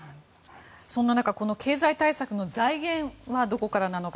そんな中、経済対策の財源はどこからなのか。